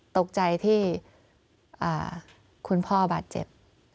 ตกใจที่คุณพ่อบาดเจ็บ